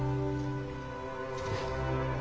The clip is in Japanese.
うん。